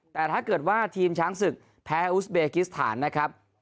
แต่ถ้าเกิดว่าทีมช้างศึกแพ้อุสเบกิสถานนะครับ